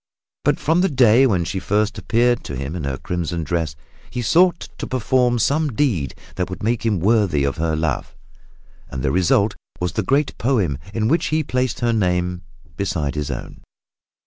But from the day when she first appeared to him in her crimson dress, he sought to perform some deed that would make him worthy of her love, and the result was the great poem in which he placed her name beside his own.